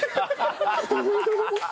ハハハハ！